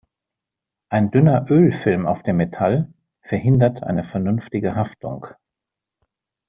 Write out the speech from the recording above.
Ein dünner Ölfilm auf dem Metall verhindert eine vernünftige Haftung.